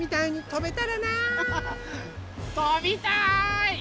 とびたい！